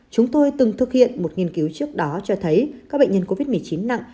chúng tôi từng thực hiện một nghiên cứu trước đó cho thấy các bệnh nhân covid một mươi chín nặng